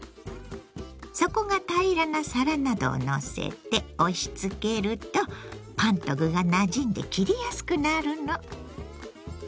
底が平らな皿などをのせて押しつけるとパンと具がなじんで切りやすくなるの。